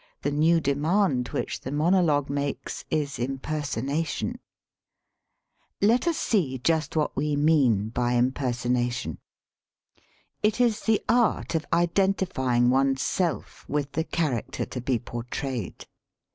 The new demand which the . (Z monologue makes is impersonation . Let us see just what we mean by impersonation. It is the art of identifying one's self with the charac ter to be portrayed.